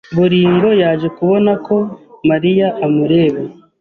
Boringo yaje kubona ko Mariya amureba.